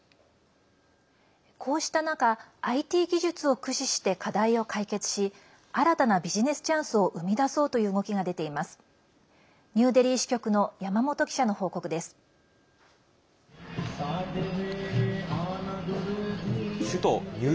こうした中ＩＴ技術を駆使して課題を解決し新たなビジネスチャンスを生み出そうという動きが出ています。